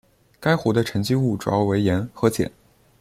该湖的沉积物主要为盐和碱。